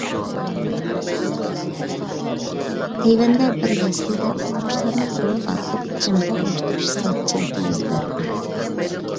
تەيۋەندە بىر يەسلىدە ئوقۇغۇچىلارنى دورا ئارقىلىق جىمىغۇرلاشتۇرۇش سەتچىلىكى يۈز بەردى.